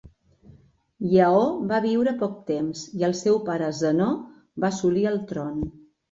Lleó va viure poc temps i el seu pare Zenó va assolir el tron.